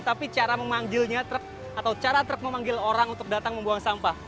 tapi cara memanggilnya truk atau cara truk memanggil orang untuk datang membuang sampah